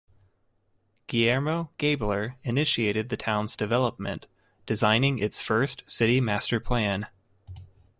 Guillermo Gaebeler initiated the town's development, designing its first city master plan.